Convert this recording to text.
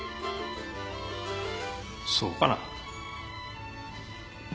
そうかな？